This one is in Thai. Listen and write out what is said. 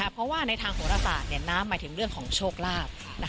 เพราะว่าในทางโหรศาสตร์น้ำหมายถึงเรื่องของโชคลาภ